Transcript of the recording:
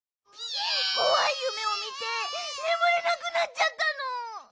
こわいゆめをみてねむれなくなっちゃったの。